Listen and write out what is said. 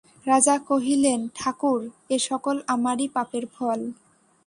রাজা কহিলেন, ঠাকুর, এ সকল আমারই পাপের ফল।